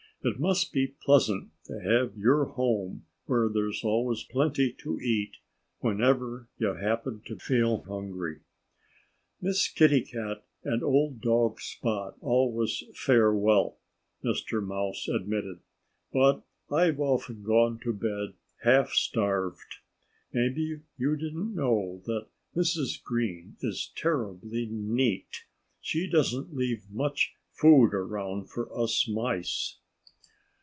It must be pleasant to have your home where there's always plenty to eat, whenever you happen to feel hungry." "Miss Kitty Cat and old dog Spot always fare well," Mr. Mouse admitted. "But I've often gone to bed half starved. Maybe you didn't know that Mrs. Green is terribly neat. She doesn't leave much food around for us Mice."